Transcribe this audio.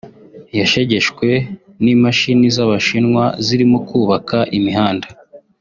yashegeshwe n’imashini z’abashinwa zirimo kubaka imihanda